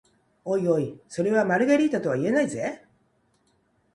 おいおい、それはマルゲリータとは言えないぜ？